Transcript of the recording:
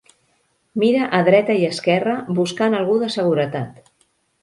Mira a dreta i esquerra, buscant algú de seguretat.